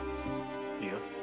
いや。